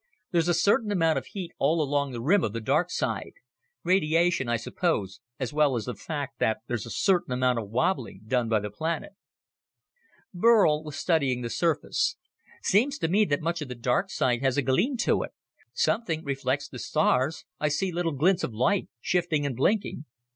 "There's a certain amount of heat all along the rim of the dark side. Radiation, I suppose, as well as the fact that there's a certain amount of wobbling done by the planet." Burl was studying the surface. "Seems to me that much of the dark side has a gleam to it. Something reflects the stars; I see little glints of light, shifting and blinking."